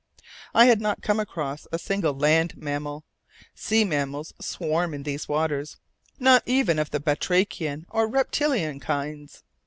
I had not come across a single land mammal sea mammals swarm in these waters not even of the batrachian or reptilian kinds.